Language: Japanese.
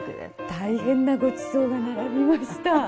大変なごちそうが並びました！